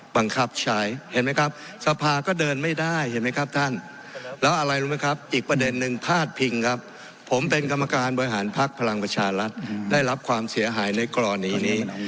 ผมเป็นกรรมการบริหารภักดิ์พลังประชารัฐได้รับความเสียหายในกรณีนี้